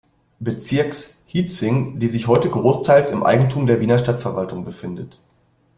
Bezirks, Hietzing, die sich heute großteils im Eigentum der Wiener Stadtverwaltung befindet.